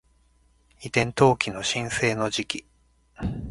移転登記の申請の時期